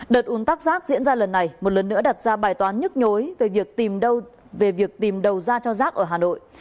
đợt uống tắc rác diễn ra lần này một lần nữa đặt ra bài toán nhức nhối về việc tìm đầu ra cho rác ở hà nội